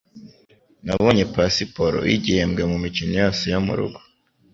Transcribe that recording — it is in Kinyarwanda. Nabonye pasiporo yigihembwe mumikino yose yo murugo